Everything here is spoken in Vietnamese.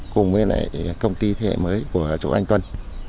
cùng với lại công ty thế hệ mới của chỗ an toàn